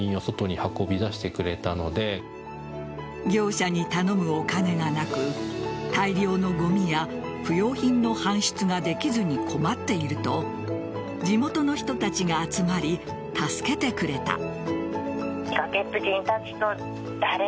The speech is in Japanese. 業者に頼むお金がなく大量のごみや不用品の搬出ができずに困っていると地元の人たちが集まり助けてくれた。